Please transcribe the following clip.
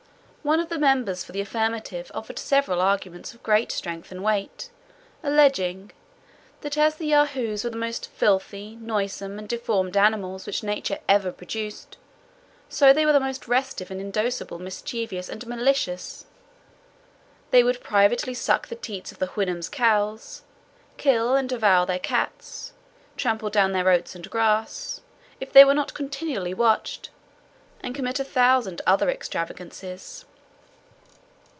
One of the members for the affirmative offered several arguments of great strength and weight, alleging, "that as the Yahoos were the most filthy, noisome, and deformed animals which nature ever produced, so they were the most restive and indocible, mischievous and malicious; they would privately suck the teats of the Houyhnhnms' cows, kill and devour their cats, trample down their oats and grass, if they were not continually watched, and commit a thousand other extravagancies."